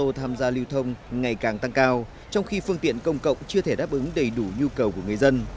ô tô tham gia lưu thông ngày càng tăng cao trong khi phương tiện công cộng chưa thể đáp ứng đầy đủ nhu cầu của người dân